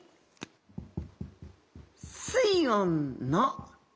水温の差。